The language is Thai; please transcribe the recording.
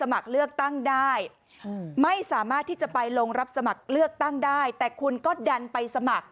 ไม่สามารถที่จะไปลงรับสมัครเลือกตั้งได้แต่คุณก็ดันไปสมัคร